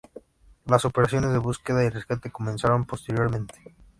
Las operaciones de búsqueda y rescate comenzaron posteriormente.